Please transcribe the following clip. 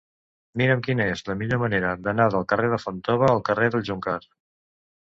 Mira'm quina és la millor manera d'anar del carrer de Fontova al carrer del Joncar.